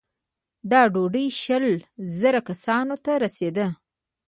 دا ډوډۍ شل زره کسانو ته رسېده.